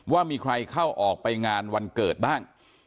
ว่ามีใครเข้าออกไปงานวันเกิดบ้าง